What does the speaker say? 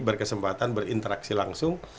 berkesempatan berinteraksi langsung